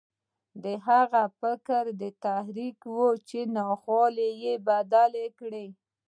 دا هغه فکري تحرک و چې ناخوالې یې بدلې کړې